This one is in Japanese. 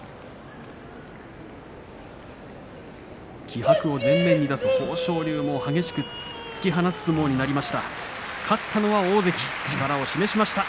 気迫を前面に出す豊昇龍を激しく突き放すという相撲になりました。